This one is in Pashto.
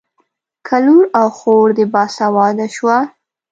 که لور او خور دې باسواده شوه.